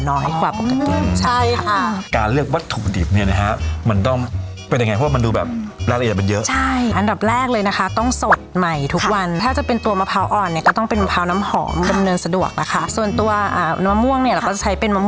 หน่อยกว่าปกติใช่ค่ะการเลือกวัตถุดิบนี่นะคะมันต้องเป็น